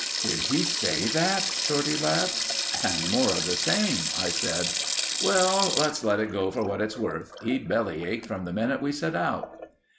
"Did he say that?" Shorty laughed. "And more of the same," I said. "Well, let's let it go for what it's worth.... He bellyached from the minute we set out."